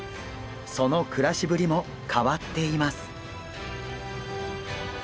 その暮らしぶりも変わっています。